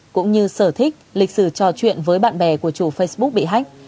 cũng như sở thích lịch sử trò chuyện với bạn bè của chủ facebook bị hách